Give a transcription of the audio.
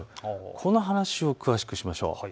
この話を詳しくしましょう。